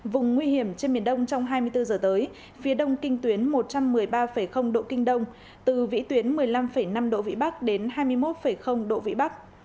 vùng nguy hiểm trên biển đông trong hai mươi bốn h tới phía đông kinh tuyến một trăm một mươi ba độ kinh đông từ vĩ tuyến một mươi năm năm độ vĩ bắc đến hai mươi một độ vĩ bắc